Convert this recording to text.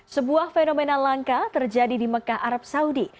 sebuah fenomena langka terjadi di mekah arab saudi